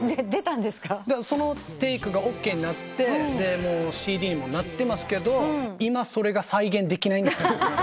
そのテークがＯＫになってＣＤにもなってますけど今それが再現できないんです。